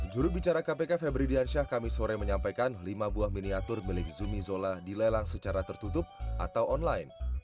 jurubicara kpk febri diansyah kami sore menyampaikan lima buah miniatur milik zumi zola dilelang secara tertutup atau online